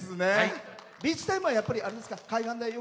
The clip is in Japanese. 「ビーチタイム」はやっぱり、あれですか。